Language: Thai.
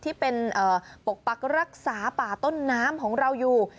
ที่เป็นปกปักรักษาป่าต้นน้ำของเราอยู่